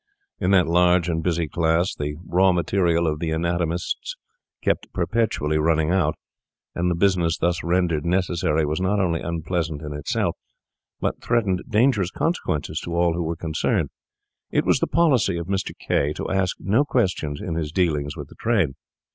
In that large and busy class, the raw material of the anatomists kept perpetually running out; and the business thus rendered necessary was not only unpleasant in itself, but threatened dangerous consequences to all who were concerned. It was the policy of Mr. K— to ask no questions in his dealings with the trade.